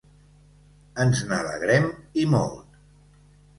Ens n’alegrem… i molt!